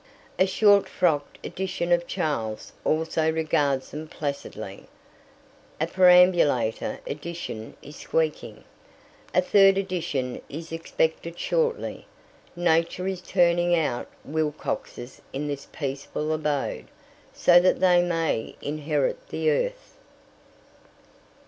A short frocked edition of Charles also regards them placidly; a perambulator edition is squeaking; a third edition is expected shortly. Nature is turning out Wilcoxes in this peaceful abode, so that they may inherit the earth.